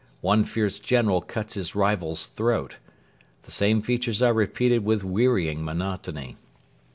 One fierce general cuts his rival's throat. The same features are repeated with wearying monotony.